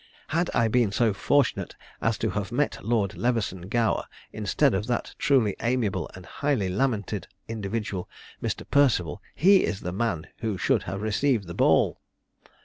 Had I been so fortunate as to have met Lord Leveson Gower instead of that truly amiable and highly lamented individual, Mr. Perceval, he is the man who should have received the ball!"